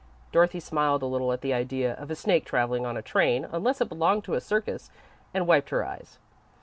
Dorothy smiled a little at the idea of a snake travelling on a train unless it belonged to a circus, and wiped her eyes.